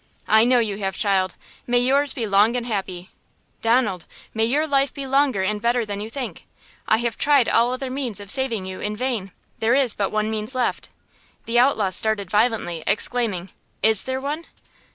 "I know you have, child. May yours be long and happy." "Donald, may your life be longer and better than you think. I have tried all other means of saving you in vain; there is but one means left!" The outlaw started violently, exclaiming: "Is there one?"